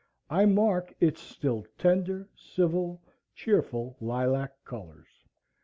I mark its still tender, civil, cheerful, lilac colors.